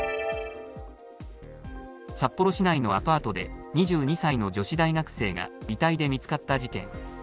札幌市内のアパートで、２２歳の女子大学生が遺体で見つかった事件。